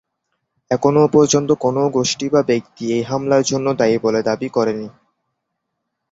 এখনও পর্যন্ত কোনও গোষ্ঠী বা ব্যক্তি এই হামলার জন্য দায়ী বলে দাবি করেনি।